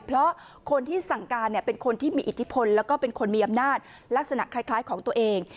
เพราะคนที่สั่งการเป็นคนที่มีอิทธิพลแล้วก็เป็นคนมีอำนาจลักษณะคล้ายของตัวเอง